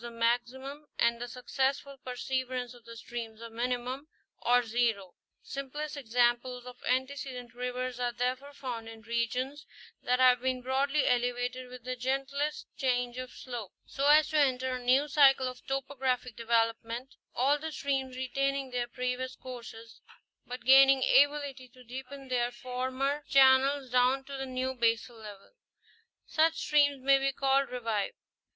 a maximum and the successful perseverance of the streams a minimum, or zero. The simplest examples of antece dent rivers are therefore found in regions that have been broadly elevated with the gentlest changes of slope, so as to enter a new cycle of topographic development, all the streams retaining their previous courses, but gaining ability to deepen their former chan * Colorado river of the West, 163. Rivers of Northern New Jersey. 83 nels down to the new baselevel ; such streams may be called "revived."